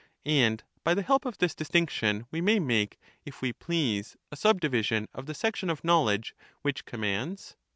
And by the help of this distinction we may make, if we please, a subdivision of the section of knowledge which commands.